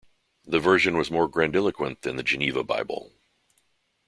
The version was more grandiloquent than the Geneva Bible.